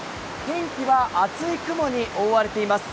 天気は厚い雲に覆われています。